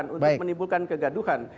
untuk menimbulkan kegaduhan